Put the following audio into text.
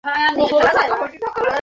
তুমি ওকে চাউ না?